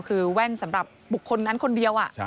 คือแว่นสำหรับบุคคลนั้นคนเดียว